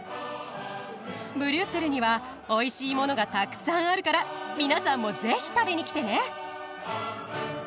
ブリュッセルにはおいしいものがたくさんあるから皆さんもぜひ食べにきてね！